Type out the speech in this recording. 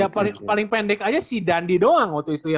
ya paling pendek aja sih dandi doang waktu itu ya